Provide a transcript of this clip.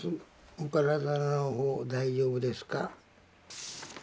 お体のほう大丈夫ですか？」。